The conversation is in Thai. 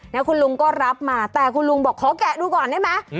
แล้วคุณลุงก็รับมาแต่คุณลุงบอกขอแกะดูก่อนได้ไหม